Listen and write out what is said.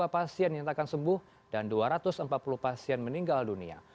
dua ratus dua puluh dua pasien yang ditakar sembuh dan dua ratus empat puluh pasien meninggal dunia